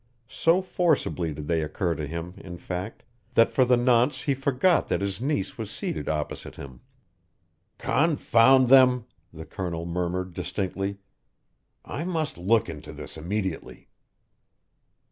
So forcibly did they occur to him, in fact, that for the nonce he forgot that his niece was seated opposite him. "Confound them," the Colonel murmured distinctly, "I must look into this immediately."